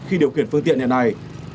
khi điều khiển phương tiện hiện nay